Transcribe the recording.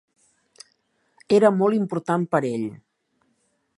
Era molt important per ell.